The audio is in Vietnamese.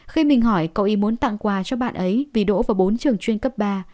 khi mình hỏi cậu ý muốn tặng quà cho bạn ấy vì đỗ vào bốn trường chuyên cấp ba